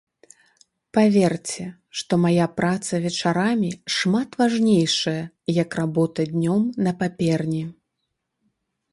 Паверце, што мая праца вечарамі шмат важнейшая, як работа днём на паперні.